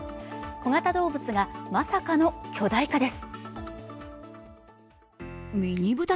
小型動物が、まさかの巨大化です。